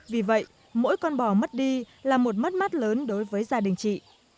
vì vậy mỗi con bò mất đi là một mất mát lớn đối với gia đình chị